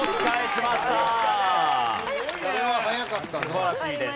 素晴らしいです。